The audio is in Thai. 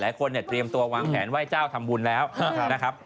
หลายคนเนี่ยเตรียมตัววางแผนไหว้เจ้าทำบุญแล้วนะครับ